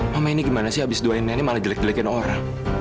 mama ini gimana sih abis doain nenek malah jelek jelekin orang